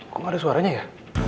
kok ada suaranya ya